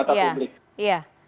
di mata publik